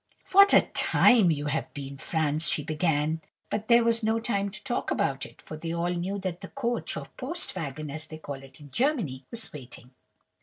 "'What a time you have been, Franz!' she began; but there was no time to talk about it, for they all knew that the coach, or post wagon, as they call it in Germany, was waiting.